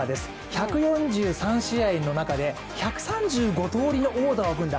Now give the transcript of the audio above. １４３試合の中で１３５通りのオーダーを組んだ。